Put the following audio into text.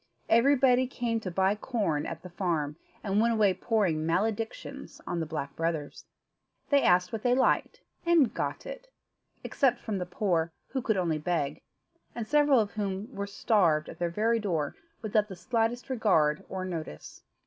Everybody came to buy corn at the farm, and went away pouring maledictions on the Black Brothers. They asked what they liked, and got it, except from the poor, who could only beg, and several of whom were starved at their very door, without the slightest regard or notice.